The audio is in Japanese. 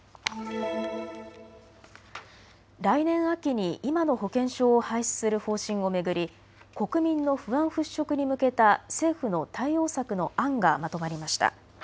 来年秋に今の保険証を廃止する方針を巡り国民の不安払拭に向けた政府の対応策の案がまとまりました。